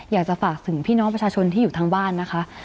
อยากจะฝากถึงพี่น้องประชาชนที่อยู่ทางบ้านนะคะ